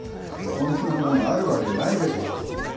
そんなものあるわけないでしょう。